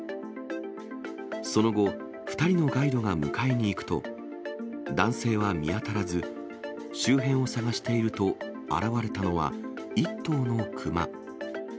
その後、２人のガイドが迎えに行くと、男性は見当たらず、周辺を捜していると、現れたのは、１頭のクマ。